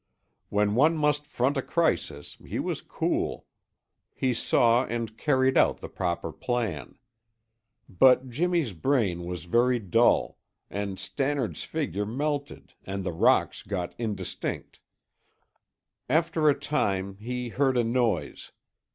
When one must front a crisis he was cool; he saw and carried out the proper plan. But Jimmy's brain was very dull, and Stannard's figure melted and the rocks got indistinct. After a time, he heard a noise.